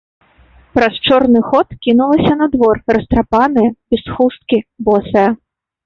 Праз чорны ход кінулася на двор, растрапаная, без хусткі, босая.